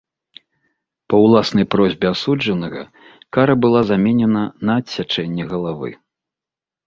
Па ўласнай просьбе асуджанага кара была заменена на адсячэнне галавы.